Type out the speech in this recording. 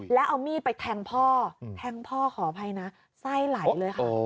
แล้วเอามีดไปแทงพ่อแทงพ่อขออภัยนะไส้ไหลเลยค่ะ